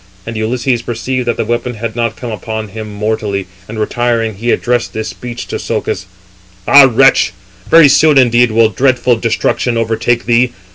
And Ulysses perceived that the weapon had not come upon him mortally, and retiring, he addressed [this] speech to Socus: "Ah! wretch; very soon indeed will dreadful destruction overtake thee.